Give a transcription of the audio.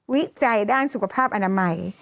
วิจัยด้านสุขภาพอนามัย